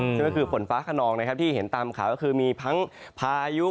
ซึ่งก็คือฝนฟ้าขนองนะครับที่เห็นตามข่าวก็คือมีทั้งพายุ